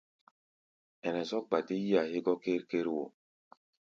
Ɛnɛ zɔ́k gba dé bé yí-a hégɔ́ ker-ker wo.